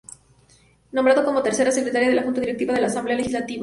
Nombrada como Tercera Secretaria de la Junta Directiva de la Asamblea Legislativa.